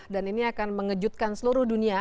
dan ini akan mengejutkan seluruh dunia